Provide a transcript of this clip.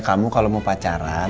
kamu kalau mau pacaran